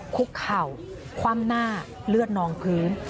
คุกเข่าคว่ำหน้าเลือดนองพื้น